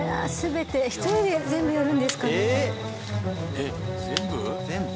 えっ全部？